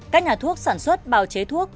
các nhà thuốc sản xuất bào chế thuốc